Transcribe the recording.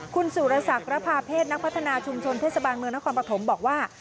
คุณสุรสักระพาเพศนักพัฒนาชุมชนเทศบาลเมืองนครปฐมบอกว่า